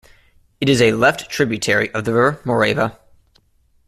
It is a left tributary of the river Morava.